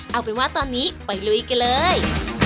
เอาเป็นว่าตอนนี้ไปลุยกันเลย